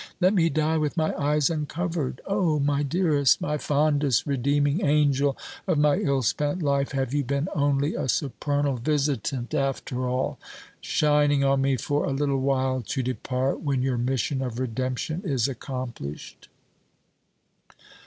Let me die with my eyes uncovered. O, my dearest, my fondest, redeeming angel of my ill spent life! have you been only a supernal visitant, after all, shining on me for a little while, to depart when your mission of redemption is accomplished?"